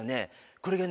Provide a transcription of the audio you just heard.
これがね